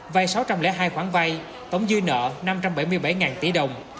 vay sáu trăm linh hai khoản vay tổng dư nợ năm trăm bảy mươi bảy tỷ đồng